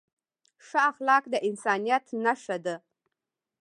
ښه اخلاق د انسانیت نښه ده.